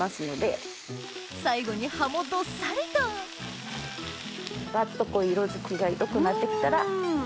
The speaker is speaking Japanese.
最後に葉もどっさりとバッと色づきが良くなってきたら。